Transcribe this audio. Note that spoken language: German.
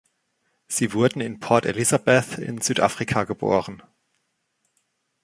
Sie wurden in Port Elizabeth in Südafrika geboren.